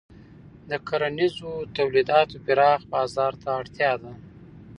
د کرنیزو تولیداتو پراخ بازار ته اړتیا ده.